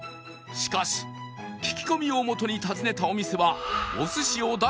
しかし聞き込みをもとに訪ねたお店は